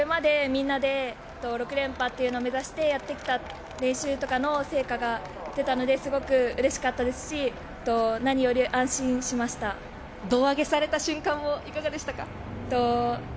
これまで、みんなで６連覇というのを目指してやってきた練習とかの成果が出たのですごくうれしかったですし、胴上げされた瞬間いかがでしたか？